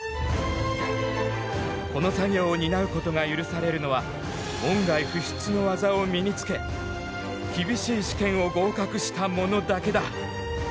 この作業を担うことが許されるのは門外不出の技を身につけ厳しい試験を合格した者だけだ。